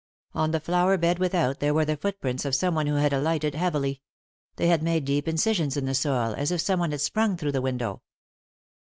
On the flower bed without were the footprints of someone who had alighted heavily ; they had made deep incisions in the soil, as if someone had sprung through the window.